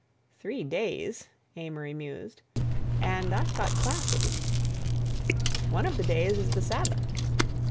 "Three days," Amory mused, "and I've got classes." "One of the days is the Sabbath."